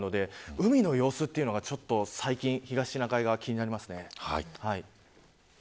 海の様子がちょっと最近東シナ海側は、気になります。